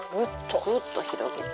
グッと広げて。